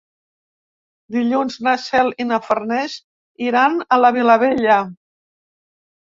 Dilluns na Cel i na Farners iran a la Vilavella.